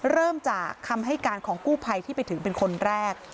เริ่มจากคำให้การของกู้ภัยที่ไปถึงเป็นคนแรก